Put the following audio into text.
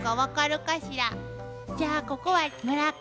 じゃあここは村上。